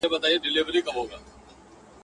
ته خبر نه وي ما سندري درته کړلې اشنا!